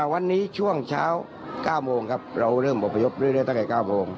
วันนี้ช่วงเช้า๙โมงครับเราเริ่มอบพยพเรื่อยตั้งแต่๙โมง